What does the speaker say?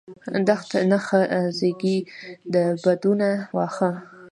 دښو نه ښه زیږیږي، د بدونه واښه.